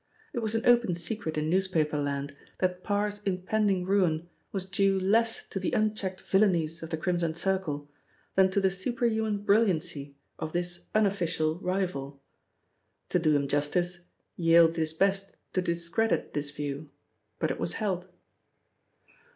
It was an open secret in newspaper land that Parr's impending ruin was due less to the unchecked villainies of the Crimson Circle, than to the superhuman brilliancy of this unofficial rival. To do him justice, Yale did his best to discredit this view, but it was held.